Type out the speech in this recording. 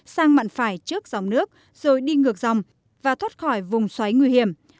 sang mặn phải trước dòng nước rồi đi ngược dòng và thoát khỏi vùng xoáy nguy hiểm